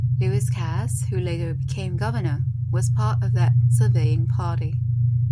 Lewis Cass, who later became governor, was part of that surveying party.